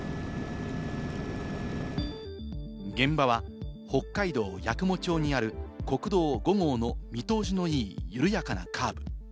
現場は北海道八雲町にある、国道５号の見通しのいい、緩やかなカーブ。